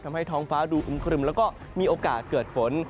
ทำให้ท้องฟ้าดูอึมครึมแล้วก็มีโอกาสเกิดฝน